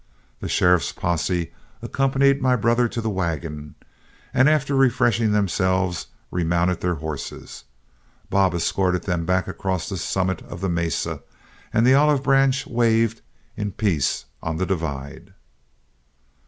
The sheriff's posse accompanied my brother to the wagon, and after refreshing themselves, remounted their horses. Bob escorted them back across the summit of the mesa, and the olive branch waved in peace on the divide.